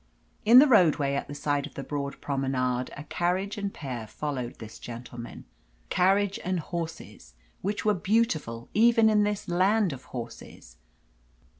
In the roadway at the side of the broad promenade a carriage and pair followed this gentleman carriage and horses which were beautiful even in this land of horses.